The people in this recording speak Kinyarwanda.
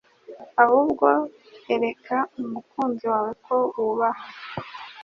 ahubwo ereka umukunzi wawe ko wubaha